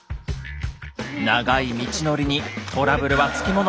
長い道のりにトラブルはつきもの。